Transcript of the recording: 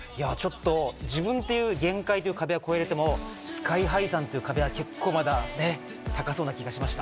自分という限界という壁は越えられてもＳＫＹ−ＨＩさんという壁は高そうな気がしました。